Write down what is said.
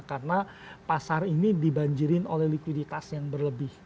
karena pasar ini dibanjirin oleh likuiditas yang berlebih